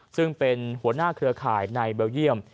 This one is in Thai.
ซึ่งเป็นหัวหน้าเครือข่ายในเบลเยี่ยม